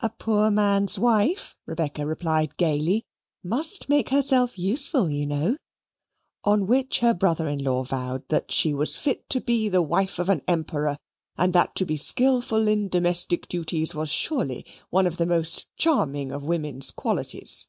"A poor man's wife," Rebecca replied gaily, "must make herself useful, you know"; on which her brother in law vowed that "she was fit to be the wife of an Emperor, and that to be skilful in domestic duties was surely one of the most charming of woman's qualities."